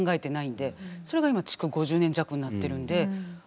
それが今築５０年弱になってるんで。